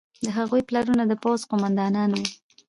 د هغوی پلرونه د پوځ قوماندانان وو.